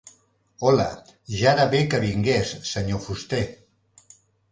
Hola, ja era bé que vingués, senyor fuster.